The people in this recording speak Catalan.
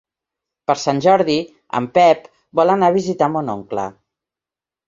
Per Sant Jordi en Pep vol anar a visitar mon oncle.